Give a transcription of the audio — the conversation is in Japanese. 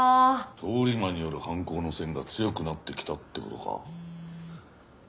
通り魔による犯行の線が強くなってきたって事か。